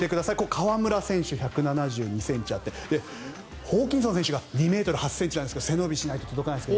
河村選手、１７２ｃｍあってホーキンソン選手が２ｍ８ｃｍなんですが背伸びしないと届かないんですが。